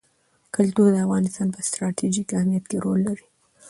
کلتور د افغانستان په ستراتیژیک اهمیت کې رول لري.